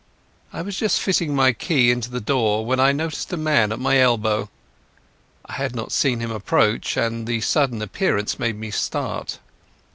I was just fitting my key into the door when I noticed a man at my elbow. I had not seen him approach, and the sudden appearance made me start.